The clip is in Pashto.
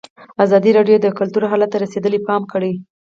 ازادي راډیو د کلتور حالت ته رسېدلي پام کړی.